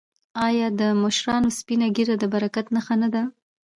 آیا د مشرانو سپینه ږیره د برکت نښه نه ده؟